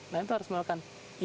nah itu harus melakukan